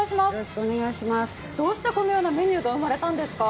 どうしてこのようなメニューが生まれたんですか？